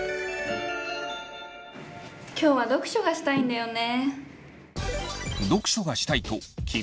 今日は読書がしたいんだよね。